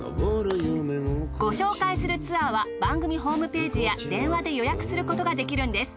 ご紹介するツアーは番組ホームページや電話で予約することができるんです。